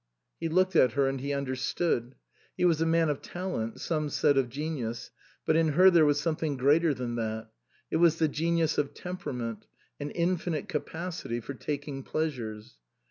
He looked at her and he understood. He was a man of talent, some said of genius, but in her there was something greater than that ; it was the genius of temperament, an infinite capacity for taking pleasures.